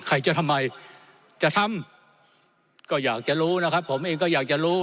ใครจะทำไมจะทำก็อยากจะรู้นะครับผมเองก็อยากจะรู้